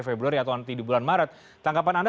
februari atau nanti di bulan maret tanggapan anda